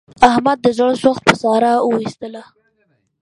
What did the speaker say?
احمد د زړه سوخت په ساره و ایستلا.